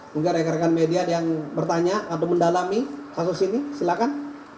mungkin rekan rekan media yang bertanya atau mendalami kasus ini silahkan